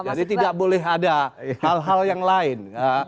jadi tidak boleh ada hal hal yang lain